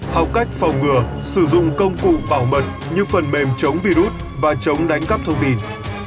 học cách phòng ngừa sử dụng công cụ bảo mật như phần mềm chống virus và chống đánh cắp thông tin